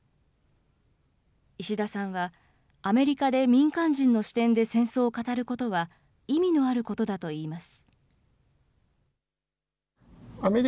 石田さんは、アメリカで民間人の視点で戦争を語ることは、意味のあることだといいます。